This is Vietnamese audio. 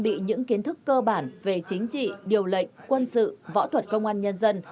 bị những kiến thức cơ bản về chính trị điều lệnh quân sự võ thuật công an nhân dân